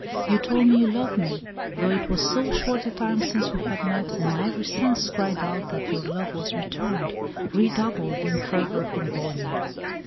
You told me you loved me—though it was so short a time since we had met, and my every sense cried out that your love was returned—redoubled in fervour and volume."